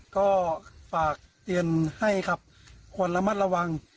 ก็ฝากเตือนให้ครับควรระมัดระวัง